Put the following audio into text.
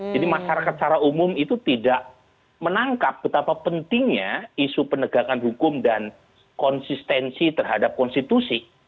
jadi masyarakat secara umum itu tidak menangkap betapa pentingnya isu penegakan hukum dan konsistensi terhadap konstitusi